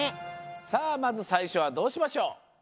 さあまずさいしょはどうしましょう？